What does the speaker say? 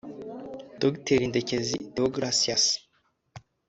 Dr Ndekezi Deogratias